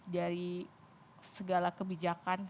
dari segala kebijakan